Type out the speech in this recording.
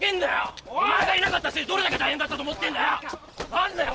何だよ。